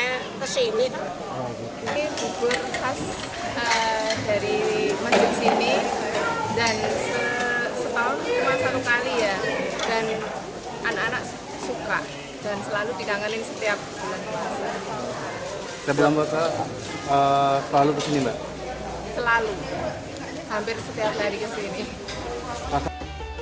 menurut panitia pembagian takjil bubur samit dalam sehari panitia sedikitnya menghabiskan sekitar lima puluh kg beras